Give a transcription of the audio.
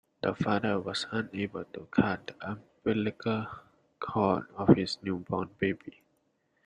The father was unable to cut the umbilical cord of his newborn baby.